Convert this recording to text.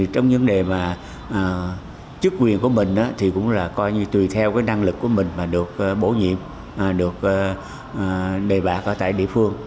trong vấn đề mà chức quyền của mình thì cũng là coi như tùy theo năng lực của mình mà được bổ nhiệm được đề bạc ở tại địa phương